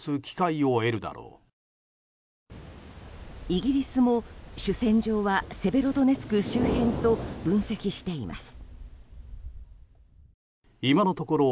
イギリスも、主戦場はセベロドネツク周辺と分析しています。